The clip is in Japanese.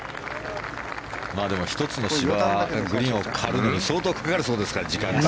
でも１つの芝グリーンを刈るのに相当かかるそうですから時間が。